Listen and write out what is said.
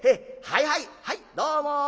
はいはいはいどうも。